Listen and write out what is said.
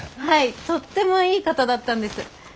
はいとってもいい方だったんです。